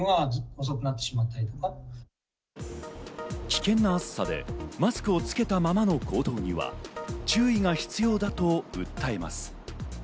危険な暑さでマスクを着けたままの行動には注意が必要だと訴えます。